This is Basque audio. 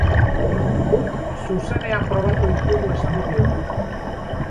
Guk zuzenean probatu ditugu estudioan.